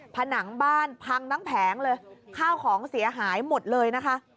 ผนังบ้านพังทั้งแผงเลยข้าวของเสียหายหมดเลยนะคะ